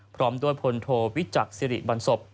พร้อมด้วยพลโทวิจักษ์สิริบันศพ